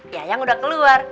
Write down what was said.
yayang udah keluar